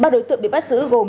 ba đối tượng bị bắt giữ gồm